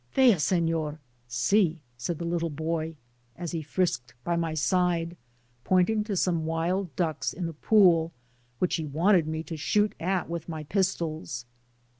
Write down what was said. " Vea, Seiior r (see !) said the little boy, as he frisked by my side, pointing to some wild ducks in a pool, which he wanted me to shoot at with my pistols.